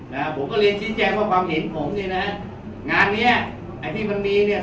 นะผมก็เรียนชี้แจงว่าความเห็นผมเนี่ยนะงานเนี้ยไอ้ที่มันมีเนี้ย